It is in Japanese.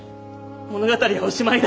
物語はおしまいだ。